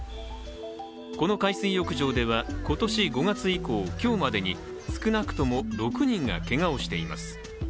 この海水浴場では今年５月以降、今日までに少なくとも６人がけがをしています。